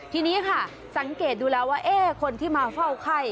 ทีนี้ค่ะสังเกตดูแล้วว่าคนที่มาเฝ้าไข้